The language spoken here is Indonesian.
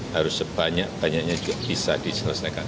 harus sebanyak banyaknya juga bisa diselesaikan